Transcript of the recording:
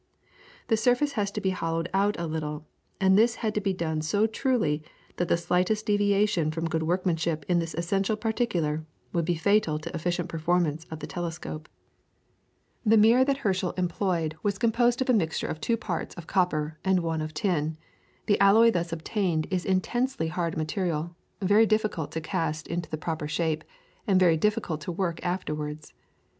The surface has to be hollowed out a little, and this has to be done so truly that the slightest deviation from good workmanship in this essential particular would be fatal to efficient performance of the telescope. [PLATE: WILLIAM HERSCHEL.] The mirror that Herschel employed was composed of a mixture of two parts of copper to one of tin; the alloy thus obtained is an intensely hard material, very difficult to cast into the proper shape, and very difficult to work afterwards.